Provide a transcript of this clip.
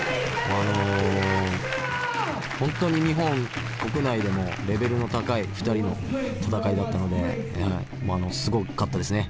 あの本当に日本国内でもレベルの高い２人の戦いだったのですごかったですね。